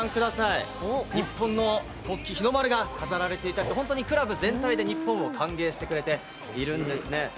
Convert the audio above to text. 日本の国旗、日の丸が飾られていたりとクラブ全体で日本を歓迎してくれているんですね。